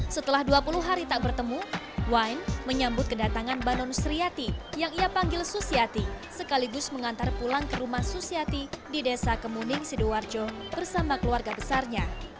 setelah dua puluh hari tak bertemu wain menyambut kedatangan banun sriati yang ia panggil susiati sekaligus mengantar pulang ke rumah susiati di desa kemuning sidoarjo bersama keluarga besarnya